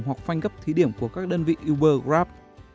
hoặc phanh gấp thí điểm của các đơn vị uber grab